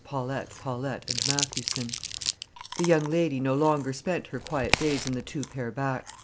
Paulette, Paulette, and Mathewson. The young lady no longer spent her quiet days in the two pair back.